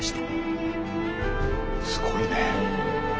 すごいね。